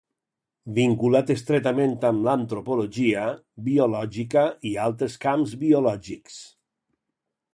Vinculat estretament amb l'antropologia biològica i altres camps biològics.